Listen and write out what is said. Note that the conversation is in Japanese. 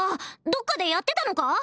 どっかでやってたのか？